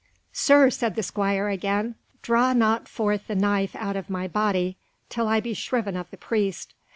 "Sir," said the squire again, "draw not forth the knife out of my body till I be shriven of the priest."